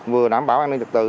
vừa đảm bảo an ninh lực tự